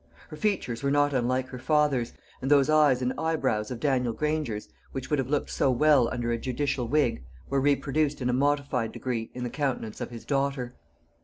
Her features were not unlike her father's; and those eyes and eyebrows of Daniel Granger's, which would have looked so well under a judicial wig, were reproduced in a modified degree in the countenance of his daughter.